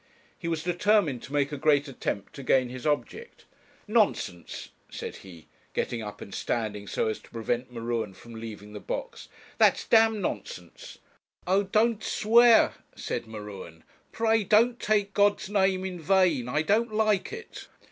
He was determined to make a great attempt to gain his object. 'Nonsense,' said he, getting up and standing so as to prevent M'Ruen from leaving the box; 'that's d nonsense.' 'Oh! don't swear,' said M'Ruen 'pray don't take God's name in vain; I don't like it.'